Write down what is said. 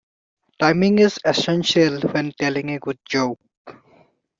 Timing is essential when telling a good joke.